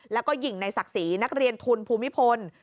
แล้วก็หญิงในศักดิ์ศรีนักเรียนทุนภูมิพล